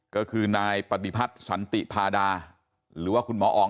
ก็คือนายปฏิพัฒน์สันติพาดาหรือว่าคุณหมอออง